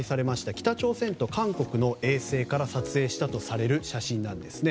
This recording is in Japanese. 北朝鮮と韓国の衛星から撮影したとされる写真なんですね。